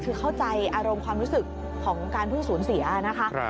คือเข้าใจอารมณ์ความรู้สึกของการเพิ่งสูญเสียนะคะ